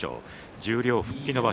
十両復帰の場所